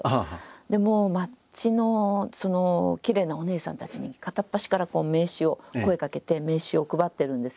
で街のきれいなおねえさんたちに片っ端から名刺を声かけて名刺を配ってるんです。